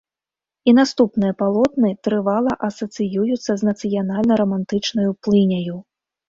І наступныя палотны трывала асацыююцца з нацыянальна-рамантычнаю плыняю.